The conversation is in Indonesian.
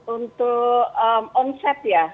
untuk onset ya